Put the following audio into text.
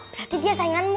berarti dia sainganmu